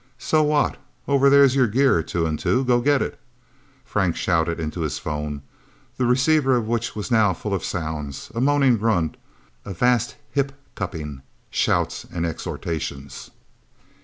"So what? Over there is your gear, Two and Two go get it!" Frank shouted into his phone, the receiver of which was now full of sounds a moaning grunt, a vast hiccuping, shouts, exhortations.